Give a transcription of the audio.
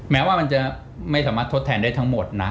แม้ว่ามันจะไม่สามารถทดแทนได้ทั้งหมดนะ